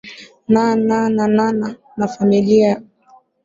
na na nana na familia